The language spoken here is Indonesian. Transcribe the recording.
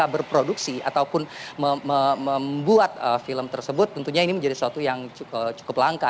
berproduksi ataupun membuat film tersebut tentunya ini menjadi suatu yang cukup langka